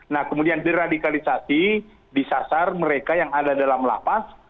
nah kemudian deradikalisasi disasar mereka yang ada dalam lapas